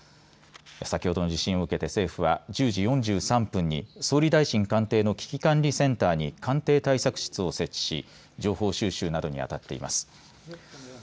先ほどの地震を受けて政府は１０時４３分に総理大臣官邸の危機管理センターに官邸対策室を設置し情報収集などにあたっています。